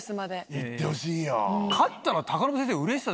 行ってほしいよ。